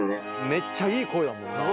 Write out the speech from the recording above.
めっちゃいい声だもんな。